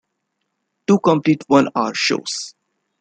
Two complete one-hour shows!